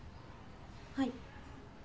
はい。